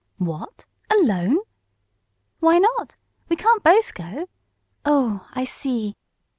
"What! Alone?" "Why not? We can't both go. Oh, I see!"